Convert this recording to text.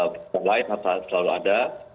pertalite selalu ada